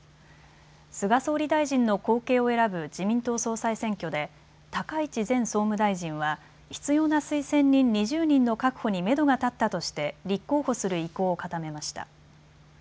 菅総理大臣の後継を選ぶ自民党総裁選挙で高市前総務大臣は必要な推薦人２０人の確保にめどが立ったとして立候補する意向を固めました。